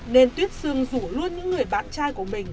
nên tuyết sương rủ luôn những người bạn trai của mình